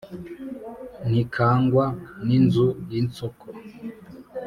Ntikangwa n'inzu y'insoko